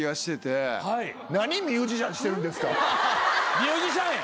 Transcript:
ミュージシャンや！